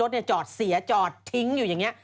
รถเนี่ยจอดเสียจอดทิ้งอยู่อย่างเนี่ย